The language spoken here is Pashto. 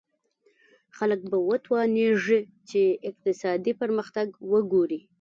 خلک به وتوانېږي چې اقتصادي پرمختګ وګوري.